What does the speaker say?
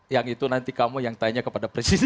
yang itu nanti kamu yang tanya kepada presiden